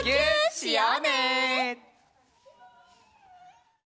しようね！